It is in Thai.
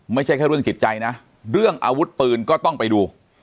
ไม่ใช่แค่เรื่องจิตใจนะเรื่องอาวุธปืนก็ต้องไปดู